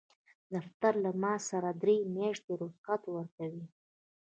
دفتر له معاش سره درې میاشتې رخصت ورکوي.